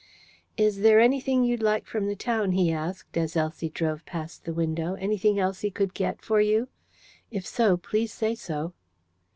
"Is there anything you'd like from the town?" he asked, as Elsie drove past the window. "Anything Elsie could get for you? If so, please say so."